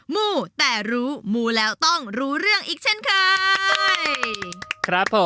มู้แต่รู้มูแล้วต้องรู้เรื่องอีกเช่นเคยครับผม